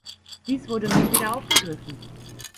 Dies wurde nun wieder aufgegriffen.